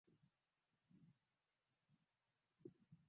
Miguu yake yatadungwa na miba